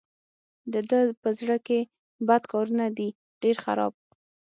د ده په زړه کې بد کارونه دي ډېر خراب.